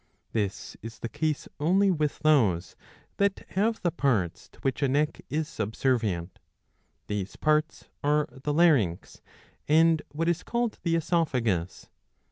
This is the case only with those that have the parts to which a neck is subservient. These parts are the larynx^ and what is called the oesophagus.